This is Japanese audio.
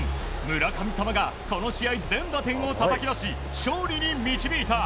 村神様がこの試合、全打点をたたき出し勝利に導いた。